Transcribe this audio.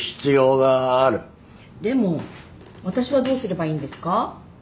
でも私はどうすればいいんですか？